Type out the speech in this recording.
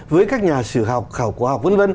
với các nhà sử học khoa học v v